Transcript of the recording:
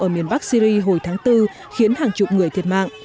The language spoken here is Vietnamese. ở miền bắc syri hồi tháng bốn khiến hàng chục người thiệt mạng